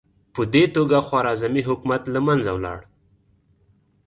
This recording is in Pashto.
په دې توګه خوارزمي حکومت له منځه لاړ.